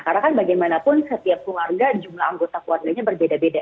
karena kan bagaimanapun setiap keluarga jumlah anggota keluarganya berbeda beda